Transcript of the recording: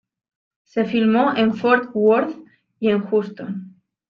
Se filmó en Fort Worth y en Houston.